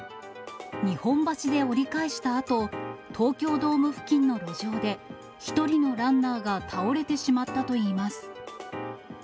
日本橋で折り返したあと、東京ドーム付近の路上で、１人のランナーが倒れてしまったといいます。